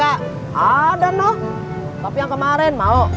ada noh tapi yang kemarin mau